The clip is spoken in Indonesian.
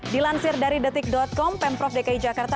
dilansir dari detik com pemprov dki jakarta